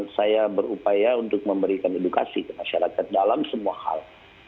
saya berupaya untuk memberikan edukasi ke masyarakat dalam semua hal